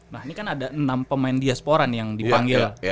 nah ini kan ada enam pemain diasporan yang dipanggil